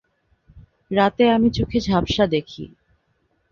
রাতে আমি চোখে ঝাপ্সা দেখি।